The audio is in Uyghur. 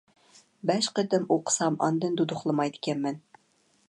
بەش قېتىم ئوقۇسام ئاندىن دۇدۇقلىمايدىكەنمەن .